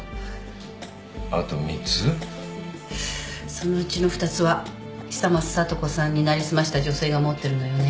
そのうちの２つは久松聡子さんに成り済ました女性が持ってるのよね。